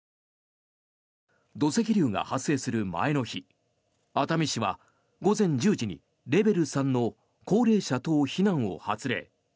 土石流が発生する前の日熱海市は午前１０時にレベル３の高齢者等避難を発令。